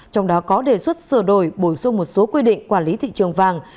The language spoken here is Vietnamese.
trong đó có đề xuất sửa đổi bổ sung một số quy định quản lý thị trường vàng